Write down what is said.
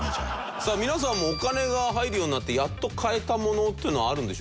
さあ皆さんもお金が入るようになってやっと買えたものっていうのはあるんでしょうかね。